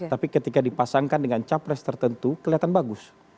tapi ketika dipasangkan dengan capres tertentu kelihatan bagus